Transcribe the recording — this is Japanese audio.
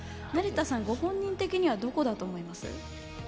成田さんご本人的にはどこだと思います？